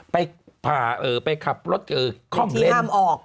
ไปขับรถค่อมเล่นที่ห้ามออก